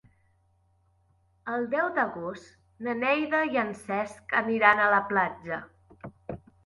El deu d'agost na Neida i en Cesc aniran a la platja.